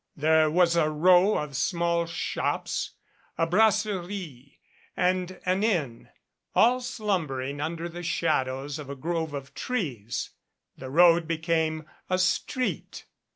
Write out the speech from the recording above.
There was a row of small shops, a brasserie and an inn, all slumbering under the shadows of a grove of trees. The road became a street.